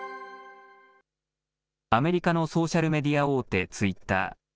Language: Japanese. アメリカのソーシャルメディア大手、ツイッター。